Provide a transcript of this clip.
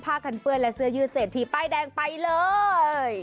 กันเปื้อนและเสื้อยืดเศรษฐีป้ายแดงไปเลย